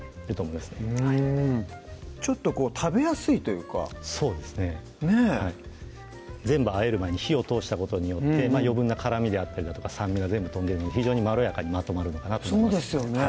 うんちょっと食べやすいというかそうですねねぇ全部あえる前に火を通したことによって余分な辛みであったりだとか酸味が全部飛んで非常にまろやかにまとまるのかなそうですよね